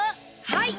はい。